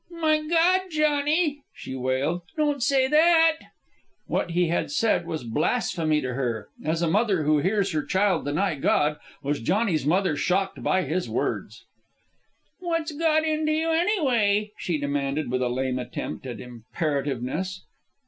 "My God, Johnny!" she wailed, "don't say that!" What he had said was blasphemy to her. As a mother who hears her child deny God, was Johnny's mother shocked by his words. "What's got into you, anyway?" she demanded, with a lame attempt at imperativeness.